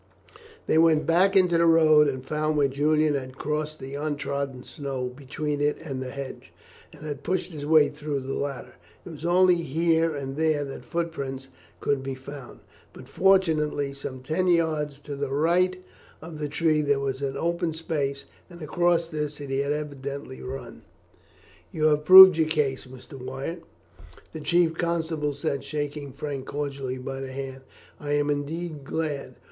They went back into the road, and found where Julian had crossed the untrodden snow between it and the hedge, and had pushed his way through the latter. It was only here and there that footprints could be found; but, fortunately, some ten yards to the right of the tree there was an open space, and across this he had evidently run. "You have proved your case, Mr. Wyatt," the chief constable said, shaking Frank cordially by the hand. "I am indeed glad.